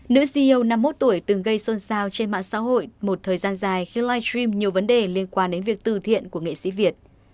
nữ ceo năm mươi một tuổi từng gây xôn xao trên mạng xã hội một thời gian dài khi live stream nhiều vấn đề liên quan đến việc từ thiện của nghệ sĩ việt